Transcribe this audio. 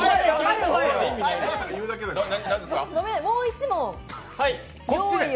もう１問用意を。